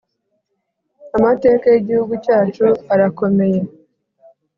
amateka yi igihugu cyacu arakomeye